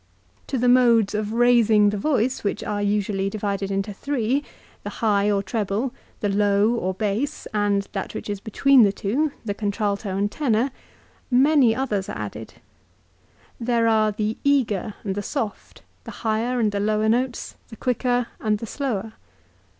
To the modes of raising the voice, which are usually divided into three, the high or treble, the low or bass, and that which is between the two, the contralto and tenor, many others are added. There are the eager and the soft, the higher and the lower notes, the quicker and the slower.